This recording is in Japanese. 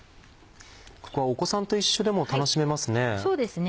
ここはお子さんと一緒でも楽しめますね。